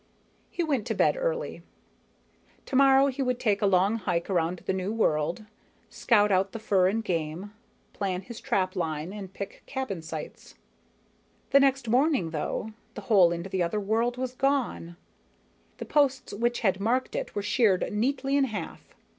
He went to bed early. Tomorrow he would take a long hike around the new world, scout out the fur and game, plan his trap line and pick cabin sites. The next morning, though, the hole into the other world was gone. The posts which had marked it were sheared neatly in half.